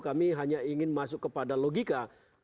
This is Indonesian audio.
kami hanya ingin masuk kepada logika